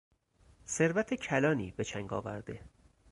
ثروت کلانی به چنگ آورده